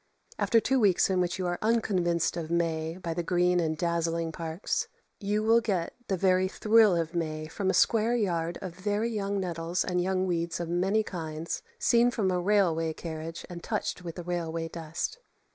After two weeks in which you are unconvinced of May by the green and dazzling parks, you will get the very thrill of May from a square yard of very young nettles and young weeds of many kinds, seen from a railway carriage and touched with the railway dust.